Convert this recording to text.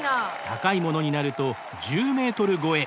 高いものになると１０ｍ超え。